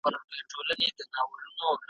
پر لکړه یې دروړمه هدیرې لمن دي نیسه `